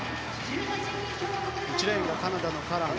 １レーンはカナダのカラン。